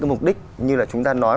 cái mục đích như là chúng ta nói